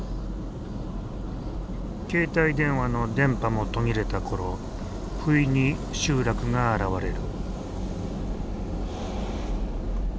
携帯電話の電波も途切れたころふいに集落が現れる。